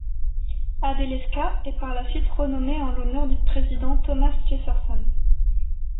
Adelescat est par la suite renommée en l'honneur du président Thomas Jefferson.